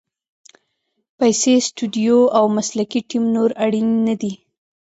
پیسې، سټوډیو او مسلکي ټیم نور اړین نه دي.